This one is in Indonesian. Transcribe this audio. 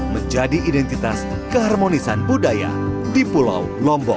menjadi identitas keharmonisan budaya di pulau lombok